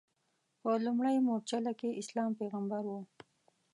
په لومړۍ مورچله کې اسلام پیغمبر و.